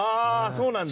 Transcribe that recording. そうなんだ。